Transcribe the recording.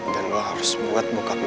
dan lo harus buat bokap lo